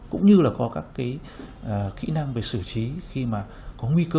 cũng như là có các cái kỹ năng về xử trí khi mà có nguy cơ